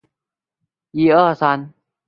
龙代勒河畔拉迪尼亚克人口变化图示